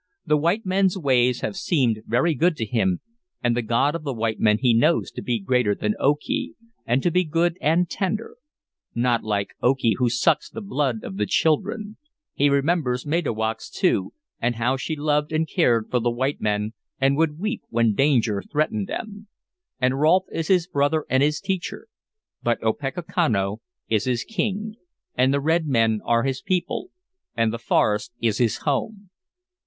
"The white men's ways have seemed very good to him, and the God of the white men he knows to be greater than Okee, and to be good and tender; not like Okee, who sucks the blood of the children. He remembers Matoax, too, and how she loved and cared for the white men and would weep when danger threatened them. And Rolfe is his brother and his teacher. But Opechancanough is his king, and the red men are his people, and the forest is his home.